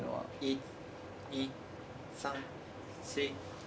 １２３４。